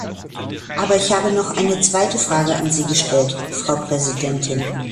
Aber ich habe noch eine zweite Frage an Sie gestellt, Frau Präsidentin.